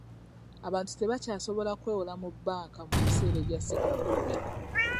Abantu tebakyasobola kwewola mu banka mu biseera ebya ssekukkulu bino.